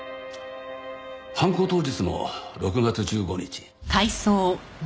犯行当日の６月１５日。